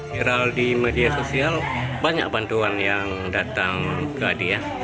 kira kira di media sosial banyak bantuan yang datang ke adik ya